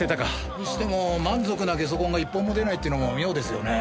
にしても満足なゲソ痕が１本も出ないっていうのも妙ですよね。